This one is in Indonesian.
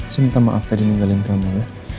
saya minta maaf tadi meninggalkan kamu ya